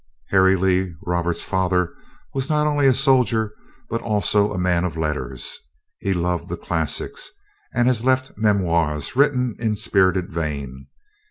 Harry Lee, Robert's father, was not only a soldier, but also a man of letters. He loved the classics, and has left memoirs written in spirited vein.